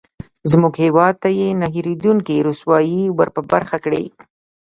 زموږ هېواد ته یې نه هېرېدونکې رسوایي ورپه برخه کړې.